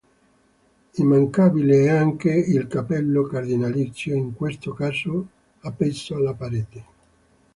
Immancabile è anche il cappello cardinalizio, in questo caso appeso alla parete.